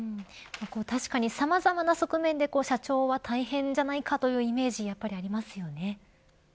確かにさまざまな側面で社長は大変じゃないかというイメージがやっぱりありますよね。